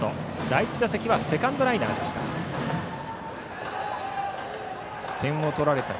第１打席はセカンドライナーでした。